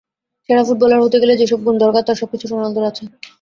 সেরা ফুটবলার হতে গেলে যেসব গুণ দরকার তার সবকিছুই রোনালদোর আছে।